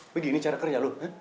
begini cara kerja lu